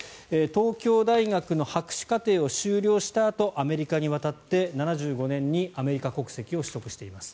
東京大学の博士課程を修了したあと、アメリカに渡って７５年にアメリカ国籍を取得しています。